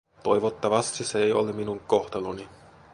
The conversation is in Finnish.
Toivottavasti se ei ole minun kohtaloni.